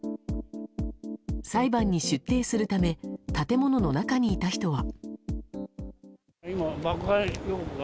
裁判に出廷するため建物の中にいた人は。